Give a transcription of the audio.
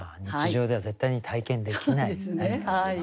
日常では絶対に体験できない。